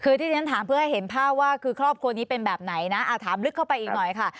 คือที่ฉันถามเพื่อให้เห็นภาพว่าคือครอบครัวนี้เป็นแบบไหนนะถามลึกเข้าไปอีกหน่อยค่ะ